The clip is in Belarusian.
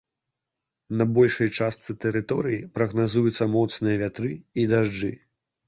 На большай частцы тэрыторыі прагназуюцца моцныя вятры і дажджы.